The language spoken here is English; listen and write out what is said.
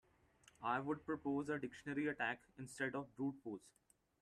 I'd propose a dictionary attack instead of brute force.